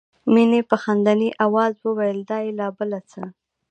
مينې په خندني آواز وویل دا یې لا بله څه ده